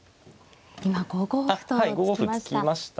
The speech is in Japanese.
今５五歩と突きました。